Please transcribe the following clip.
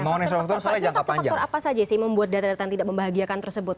faktor faktor apa saja sih membuat data data yang tidak membahagiakan tersebut